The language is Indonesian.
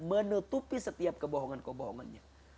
menutupi setiap kebohongan kebohongannya